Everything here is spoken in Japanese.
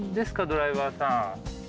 ドライバーさん。